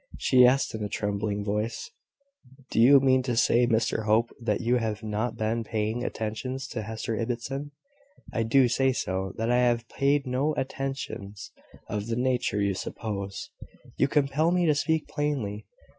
She asked in a trembling voice: "Do you mean to say, Mr Hope, that you have not been paying attentions to Hester Ibbotson?" "I do say so; that I have paid no attentions of the nature you suppose. You compel me to speak plainly."